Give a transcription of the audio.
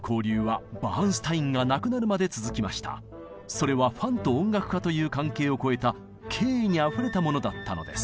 それはファンと音楽家という関係を超えた敬意にあふれたものだったのです。